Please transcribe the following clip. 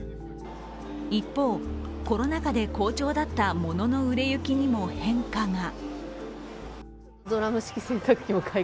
一方、コロナ禍で好調だった物の売れ行きにも変化が。